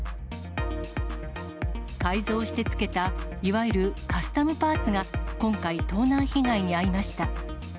改造してつけたいわゆるカスタムパーツが、今回、盗難被害に遭いました。